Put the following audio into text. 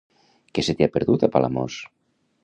Què se t'hi ha perdut, a Palamós?